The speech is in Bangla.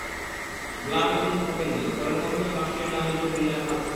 ব্লাঁ বেশি দিন থাকেননি, পরের মৌসুমেই মার্শেইয়ে নাম লিখিয়ে ফিরে যান ফ্রান্সে।